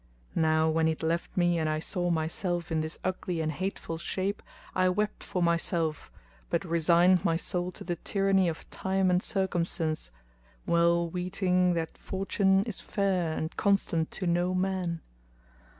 Now when he had left me and I saw myself in this ugly and hateful shape, I wept for myself, but resigned my soul to the tyranny of Time and Circumstance, well weeting that Fortune is fair and constant to no man.